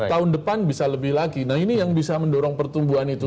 tahun depan bisa lebih lagi nah ini yang bisa mendorong pertumbuhan itu